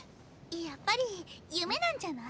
やっぱり夢なんじゃない？